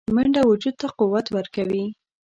منډه وجود ته قوت ورکوي